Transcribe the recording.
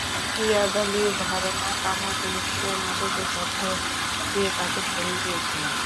ইয়াদ আলীর ধারণা, কামাল পুলিশকে মাদকের তথ্য দিয়ে তাকে ধরিয়ে দিয়েছিল।